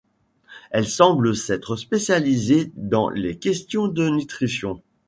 Elle semble s'être spécialisée dans les questions de nutrition.